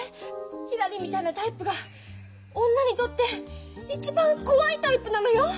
ひらりみたいなタイプが女にとって一番怖いタイプなのよ。